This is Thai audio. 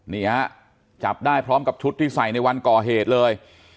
นี่ฮะจับได้พร้อมกับชุดที่ใส่ในวันก่อเหตุเลย